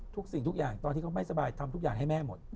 สิ่งทุกอย่างตอนที่เขาไม่สบายทำทุกอย่างให้แม่หมด